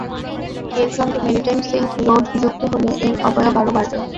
এর সঙ্গে maritime silk road যুক্ত হলে এর অবয়ব আরও বাড়বে।